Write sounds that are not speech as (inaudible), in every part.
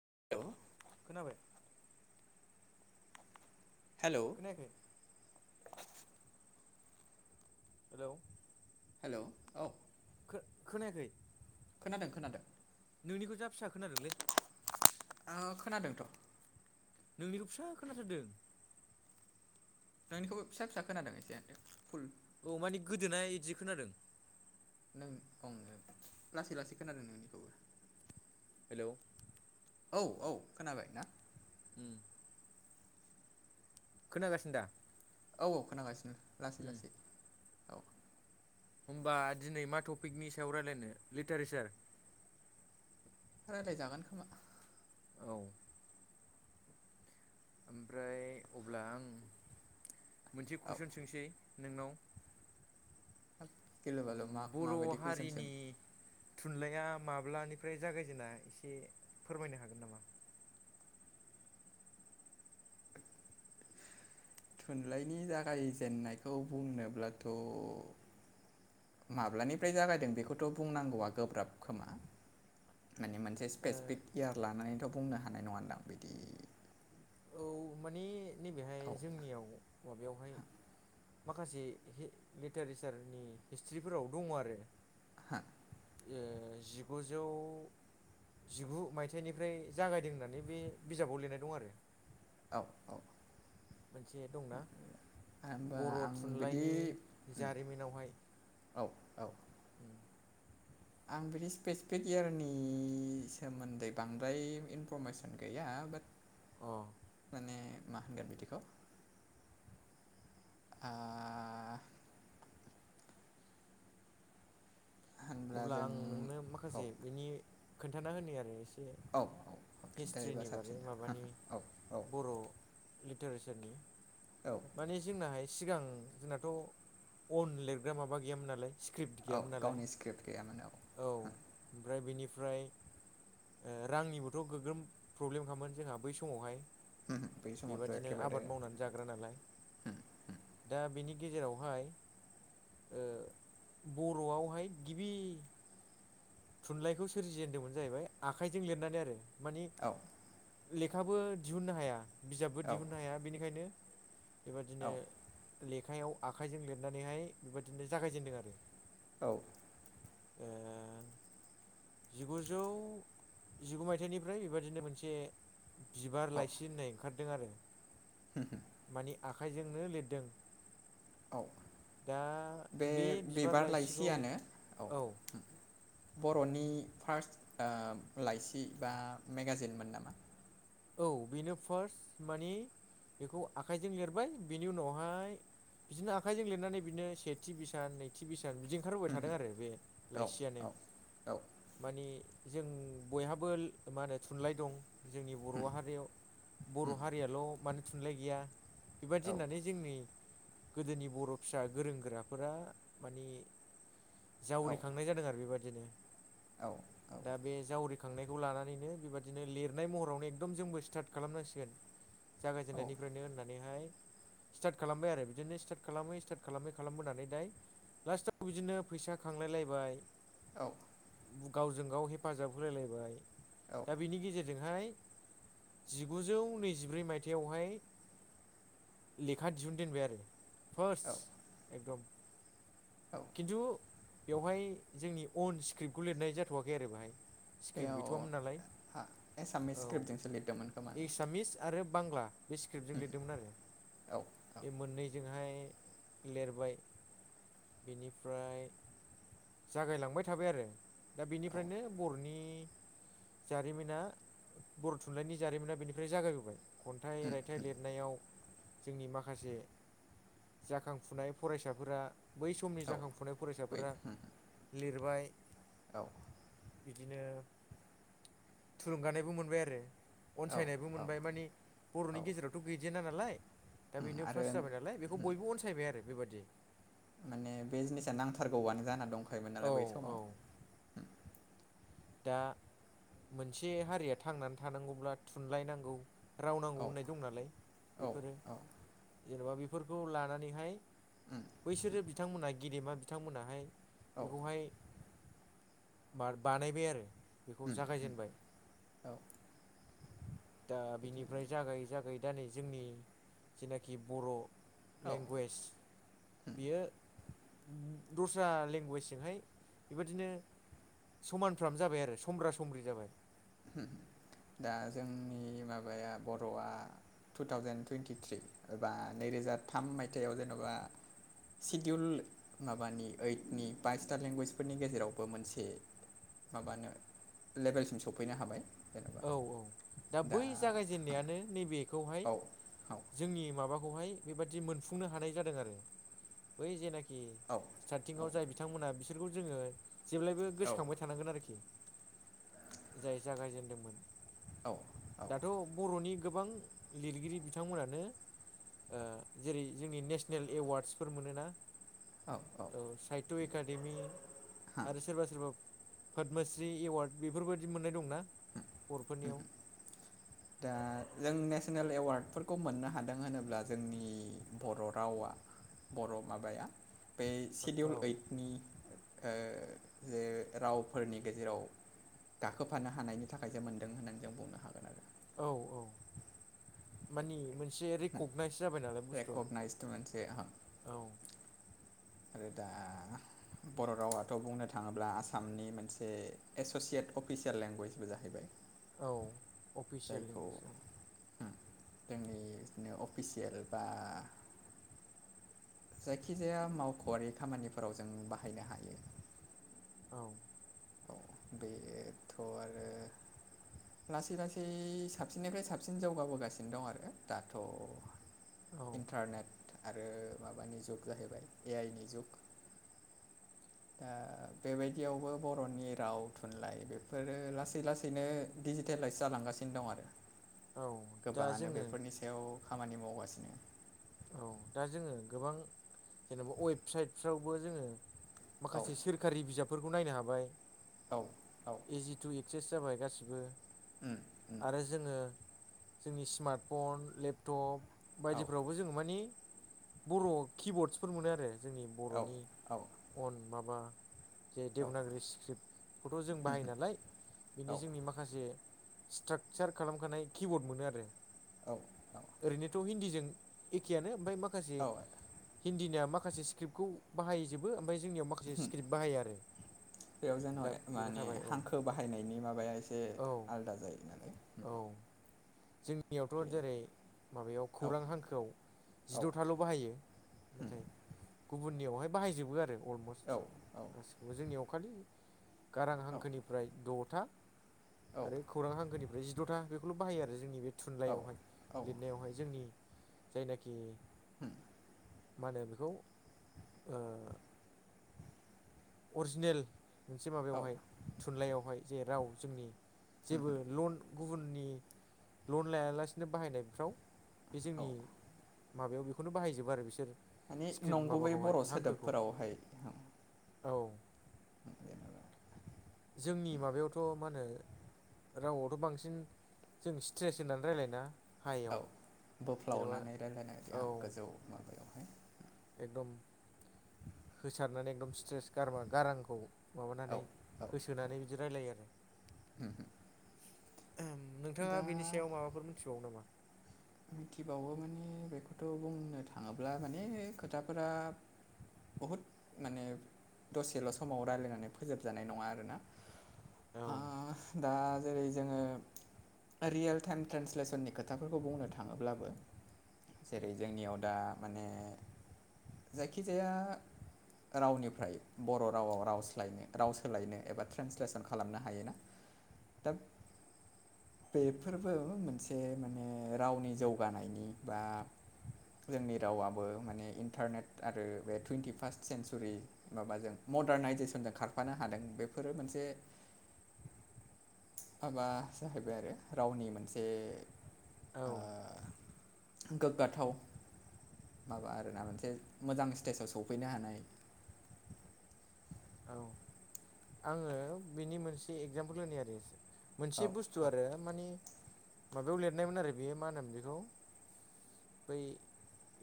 (unintelligible) खोनाबाय। हेलौ खोनायाखै? Hello hello औ खो खोनायाखै? खोनादों खोनादों। नोंनिखौ जा फिसा खोनादों लै। ओ खोनादोंथ' नोंनिखौ फिसा खोनाथारदों। नोंनिखौबो फिसा फिसा खोनादों एसे फुल औ माने गोदोनाय इदि खोनादों। नों औनो लासै लासै खोनादों नोंनिखौबो। हेलौ' औ औ खोनाबाय ना? उम खोनागासिनो दा? औ औ खोनागासिनो लासै उम लासै। औ होमबा दिनै मा टपिकनि सायाव रायज्लायनो लिटारेसार। रायलायजागोन खोमा। औ। ओमफ्राय अब्ला आं मोनसे औ कुइसन सोंसै नोंनाव ब गिल उम बाल' मा बर' माबायदि कुइसन सों हारिनि थुनलाइया माब्लानिफ्राय जागायजेना एसे फोरमायनो हागोन नामा? थुनलाइनि जागायजेननायखौ बुंनोब्लाथ' माब्लानिफ्राय जागायदों बेखौथ' बुंनांगौआ गोब्राब खोमा माने मोनसे स्पेसिफिक इयार लानानैथ' बुंनो हानाय नङा दां बिदि। औ मानिे नैबेहाय औ जोंनियाव माबायावहाय माखासे हे लिटारेसारनि हिस्ट्रिफोराव दङ आरो हा ओ जिगुजौ जिगु मायथाइनिफ्राय जागायदों होननानै बे बिजाबाव लिरनाय दं आरो औ औ मोनसे दंना होमबा बर' आं बिदि थुनलाइनि उम जारिमिनावहाय औ औ आं बिदि स्पेसिफिकयारनि सोमोन्दै बांद्राय इनफरमेसन गैया। आबाद अ माने मा होनगोन बिदिखौ। आ होनब्ला अब्ला जों आं नोंनो औ माखासे बेनि खोन्थाना होनो आरो एसे औ एसे खिन्थायोबा हिस्ट्रिनि बारै साबसिन माबानि औ औ बर' लिटारेसारनि औ माने जोंनाहाय सिगां जोंनाथ' अन लिरग्रा माबा गैयामोन नालाय स्क्रिप्ट औ गैयामोन नालाय। गावनि स्क्रिप्ट गैयामोन औ होम ओमफ्राय बेनिफ्राय ओ रांनिबोथ' गोग्रोम प्रब्लेमखामोन जोंहा बै समावहाय। बै समावथ' बेबादिनो एखेबारे आबाद मावनानै जाग्रा नालाय दा बेनि गेजेरावहाय ओ बर'आवहाय गिबि थुनलाइखौ सोरजिनदोंमोन जाहैबाय आखाइजों लिरनानै आरो मानिे औ लेखाबो दिहुननो हाया बिजाबबो औ दिहुननो हाया बेनिखायनो। औ बेबायादिनो लेखायाव आखाइजों लिरनानैहाय बेबायदिनो जागायजेनदों आरो औ ओ जिगुजौ जिगु मायथाइनिफ्राय बेबायादिनो मोनसे। बिबार लाइसि होननाय ओंखारदों आरो होम होम मानि आखाइजोंनो लिरदों। औ दा बे बिबार लाइसियानो औ होम बर'नि फार्स्ट ओ लाइसि बा मेगाजिनमोन नामा? औ बेनो फार्स्ट माने बेखौ आखाइजों लिरबाय बेनि उनावहाय बिदिनो आखाइजों लिरनानै बिदिनो सेथि बिसान नैथि बिसा न बिदि ओंखारबोबाय थादों आरो बे औ लाइसियानो औ औ मानि जों बयहाबो मा होनो थुनलाइ दं जों बर' हारियाव बर' हारियाल' मानो थुनलाइ गैया औ बेबायदि होननानै जोंनि गोदोनि बर' फिसा गोरों गोराफोरा मानिे औ जावरिखांनाय जादों आरो बेबायादिनो दा बे जावरि खांनायखौ लानानैनो बेबादिनो लिरनाय महरावनो एकदम जोंबो स्टार्ट खालामनांसिगोन जागायजेननायनिफ्रायनो होननानैहाय स्टार्ट खालामबाय आरो बिदिनो स्टार्ट खालामै स्टार्ट खालामै खालामबोनानै दाय लास्टाव बिदिनो फैसा खांलायलायबाय। औ गावजों गाव हेफाजाब होलायलायबाय औ दा बिनि गेजेरजोंहाय जिगुजौ नैजिब्रै मायथाइआवहाय लेखा दिहुन दोनबाय आरो फार्स् एकदम खिन्थु बेवहाय जोंनि अन स्क्रिप्टखौ लिरनाय जाथ'वाखै आरो बाहाय स्क्रिप्ट गैथ'मोन बेयाव नालाय एसामिस औ स्क्रिप्टजोंसो लिरदोंमोन खोमा एसामिस आरो बांला बे स्क्रिप्टजों लिरदोंमोन आरो औ बे मोननै जोंहाय लिरबाय बेनिफ्राय जागायलांबाय थाबाय आरो दा बेनिफ्रायनो बर'नि जारिमिना बर' थुनलाइनि जारिमिना बेनिफ्राय जागायबोबाय खन्थाइ रायथाइ लिरनायाव जोंनि माखासे जाखांफुनाय फरायसाफोरा बै समनि औ जाखांफुनाय बै फरायसाफोरा लिरबाय औ बिदिनो थुलुंगानायबो मोनबाय आरो औ अनसायनायबो मोनबाय मानि बर'नि औ गेजेरावथ' गैजेना नालाय दा बेनो आरो फार्स्ट जाबाय नालाय बेखौ बयबो अनसायबाय आरो बेबादि माने बे जिनिसा नांथारगौआनो जाना दंखायोमोन औ नालाय बै औ समाव दा मोनसे हारिया थांनानै थानांगौब्ला थुनलायनांगौ। राव नांगौ औ होननाय दं नालाय औ बेफोरो औ जेनेबा बेफोरखौ लानानैहाय। बैसोरो बिथांमोनहा गेदेमा बिथांमोनाहाय औ बेखौहाय बार बानायबाय आरो बेखौ जागायजेनबाय। दा बिदिनो बिनिफ्राय जागायै जागायै दा नै जोंनि जेनाखि बर' औ लेंगुवेज बेयो दस्रा लेंगुवेजजोंहाय बेबादिनो समानफ्राम जाबाय आरो समब्रा समब्रि जाबाय। होम दा जोंनि माबाया बर'आ टु थावजेेन टुइन्टिथ्रि एबा नैरोजा थाम मायथाइयाव जेन'बा सिडिउल माबानि ओइटनि बाइसथा लेंगुवेजफोरनि गेजेरावबो मोनसे माबानो लेभेलसिम सफैनो हाबाय। जेनेबा औ औ दा बै जागायजेननायानो नैबेखौहाय औ औ जोंनि माबा खौहाय बेबायदि मोनफुंनो हानाय जादों आरो बै जेना खि औ स्टार्टिंआव जाय बिथांमोना बिसोरखौ जोङो जेब्लायबो औ गोसोखांबाय थानांगोन आरोखि जाय जागायजेनदोंमोन औ दाथ' बर'नि गोबां लिरगिरि बिथांमोनानो ओ जेरै जोंनि नेसनेल एवार्डसफोर मोनोना औ साहित्य एकादेमि हा आरो सोरबा सोरबा पदमश्रि एवार्ड बेफोरबायदि मोननाय दंना बर'फोरनियाव। दा जों नेसनेल एवार्डफोरखौ मोननो हादों होनोब्ला जोंनि बर' रावा बर' माबाया बे सिडिउल औ ओइटनि ओ जे रावफोरनि गेजेराव गाखोफानो हानायनि थाखाय जों मोनदों होननानै जों बुंनो हागोन आरो औ औ मानि मोन से रेकगनाइज जाबाय नालाय बुस्थुआ रेकगनाइसड मोनसे हाब। औ आरो दा बर' रावाथ' बुंनो थाङोब्ला आसामनि मोनसे एस'सियेट अफिसियेल लेंगुवेजबो जाहैबाय। औ अफिसियेल जायखौ लेंगुवेज जाबाय। जोंनि बिदिनो अफिसियेल बा जायखिजाया मावख'आरि खामानिफोराव जों बाहायनो हायो। औ औ बेथ' आरो लासै लासै साबसिननिफ्राय साबसिन जौगाबोगासिनो दं आरो दाथ' औ इन्टारनेट आरो माबानि जुग जाहैबाय ए आइ नि जुग। दा बेबायदियावबो बर'नि राव थुनलाइ बेफोरो लासै लासैनो दिडिजिटेलाइस जालांगासिनो दं आरो औ दा गोबाङानो जोङो बेफोरनि सायाव खामानि मावगासिनो। औ दा जोङो गोबां जेनेबा वेबसाइटफ्रावबो जोङो। औ माखासे सोरखारि बिजाबफोरखौ नायनो हाबाय। औ औ (unintelligible) जाबाय गासिबो उम उम आरो जोङो जोंनि स्मार्टफन लेपटप औ बायदिफ्रावबो जों नि बर' किबर्डसफोर मोनो आरो जोंनि औ बर'नि औ अन माबा जे देबनागिरि स्क्रिप्टखौथ' जों बाहायो नालाय बिनि औ जोंनि माखासे स्ट्राकचार खालामखानाय किबर्ड मोनो आरो औ ओरैनोथ' हिन्दीजों एखेयानो ओमफाय माखासे औ हिन्दीनि ना माखासे स्क्रिप्टखौ बाहायजोबो ओमफाय जोंनियाव माखासे स्क्रिप्ट बाहाया आरो बेयाव दा जोंनाव बेबो माने थाबाय औ हांखो बाहायनायनि माबाया एसे औ आलादा जायो नालाय औ जों नियावथ' जेरै माबायाव औ खौरां हांखोआव औ जिद'थाल' बाहायो। नाथाय गुबुननियावहाय बाहायजोबो आरो अलमस्ट औ गासिखौबो जोंनियाव खालि गारां हांखोनिफ्राय द'था आरो खौरां हांखोनि जिद'था बेखौल' बाहायो आरो जोंनि बे औ थुनलाइयावहाय औ लिरनायावहाय जोंनि जायनाखि औ मा होनो बेखौ ओ अरजिनेल मोनसे औ माबायावहाय थु नलाइयाव हाय जे राव जोंनि जेबो लन गुबुननि लन लायालासिनो बाहायनायफ्राव बे औ जोंनि माबायाव बेखौनो बाहायजोबो आरो बिसोर मानि स्क्रिप्ट नंगुबै माबाखौहाय बर' हांखोखौ सोदोबफोरावहाय होम औ जोंनि माबायावथ' मा होनो रावावथ' बांसिन जों स्ट्रेस होनानै रायलायोना हायाव औ जेनेबा बोफ्लावनानै रायलायनाय औ गोजौ माबायावहाय एकदम होसारनानै एकदम स्ट्रेस गारमा गारांखौ औ माबानानै औ औ होसोनानै बिदि रायलायो आरो ओम नोंथाङा दा बिनि सायाव माबाफोर मिथिबावो नामा? मिथिबावो माने बेखौथ' बुंनो थाङोब्ला माने खोथाफोरा बहुद माने दसेल' समाव रायलायनानै फोजोबजानाय नङा आरोना औ आ दा जेरै जोङो रियेल टाइम ट्रेन्सलेसननि खोथाफोरखौ बुंनो थाङोब्लाबो जेरै जोंनियाव दा माने जायखिजाया रावनिफ्राय बर' रावाव राव सोलायनो राव सोलायनो एबा ट्रेन्सलेसन खालामनो हायोना दा बेफोरबो मोनसे माने रावनि जौगानायनि बा जोंनि रावाबो माने इन्टारनेट आरो बे टुइन्टि फार्स्ट सेन्सुरि माबाजों मदारनाइजेसनजों खारफानो हादों बेफोरो मोनसे (inaudible) माबा जाहैबाय आरो रावनि मोनसे औ ओ गोग्गाथाव। माबा आरोना मोनसे मोजां स्टेजाव सफैनो हानाय (inaudible) औ आङो बेनि मोनसे एक्जामपोल होनि आरो एसे औ मोनसे बुस्थु औ आरो मानि माबायाव लिरनायमोन आरो बेयो मा होनोमोन बेखौ बै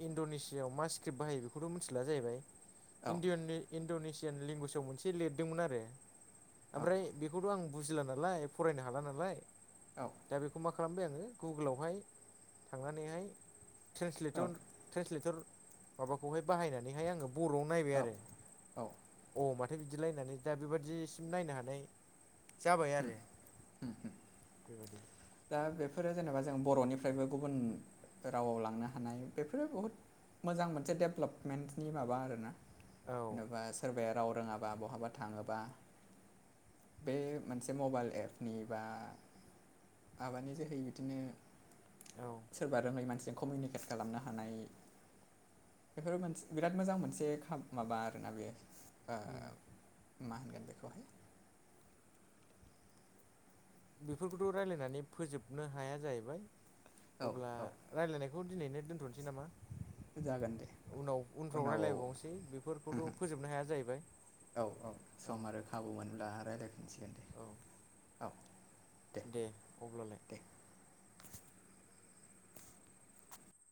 इणड'नेसियाआव मा स्क्रिप्ट बाहायो बेखौथ' मिथिला जाहैबाय। इनडन औ इनदियाननि इण्ड'नेसियान लेंगुवेजाव मोनसे लिरदोंमोन आरो ओमफ्राय बेखौथ' आं बुजिला नालाय फरायनो हाला नालाय औ दा बेखौ मा खालामबाय आङो गुगोलावहाय थांनानैहाय ट्रेन्सलेटर ट्रेन्सलेटर माबाखौहाय बाहायनानैहाय आङो बर'आव औ नायबाय आरो औ औ माथो बिदिलायनानै दा बेबादिसिम नायनो हानाय जाबाय आरो बेबादि। फोरो जेनेबा जों बर'निफ्रायबो गुबुन रावाव लांनो हानाय बेफोरो बहुत मोजां मोनसे डेभेलपमेन्टनि माबा आरोना औ जेन'बा सोरबाया राव रोङाबा बहाबा थाङोबा बे मोनसे मबाइल एपनि बा माबानि जोहै बिदिनो औ सोरबा रोङै मानसिजों कमिउनिकेट खालामनो हानाय बेफोरो मोनसे बिराद मोजां मोनसे खा माबा आरोना बे ओ उम मा होनगोन बेखौहाय बेफोरखौथ' रायलायनानै फोजोबनो हाया जाहैबाय औ अब्ला औ रायलायनाय खौ दिनैनो दोनथ'नोसै नामा? जागोन दे उनाव उनफ्राव उनाव रायलायबावनोसै बेफोरखौथ' फोजोबनो हाया जाहैबाय। औ औ सम आरो खाबु मोनब्ला रायलायफिनसिगोन दे औ औ। दे अब्लालाय। दे